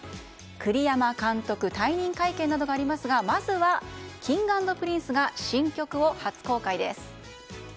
栗山監督退任会見などがありますがまずはＫｉｎｇ＆Ｐｒｉｎｃｅが新曲を初公開です。